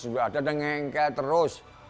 sudah ada dan mengengkel terus